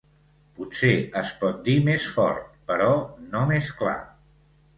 Potser es pot dir més fort, però no més clar.